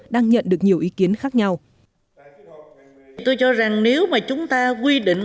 đang nhận được nhiều ý kiến khác nhau